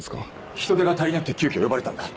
人手が足りなくて急きょ呼ばれたんだ。